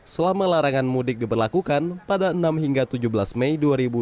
selama larangan mudik diberlakukan pada enam hingga tujuh belas mei dua ribu dua puluh